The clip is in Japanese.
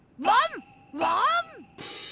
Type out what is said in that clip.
ワン！